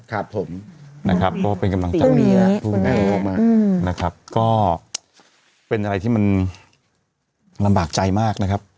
นะครับเพราะว่าเป็นกำลังใจของเมียนะครับก็เป็นอะไรที่มันลำบากใจมากนะครับ